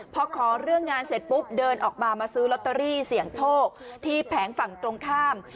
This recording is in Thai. พอขอเรื่องงานเสร็จปุ๊บเดินออกมามาซื้อลอตเตอรี่เสี่ยงโชคที่แผงฝั่งตรงข้าม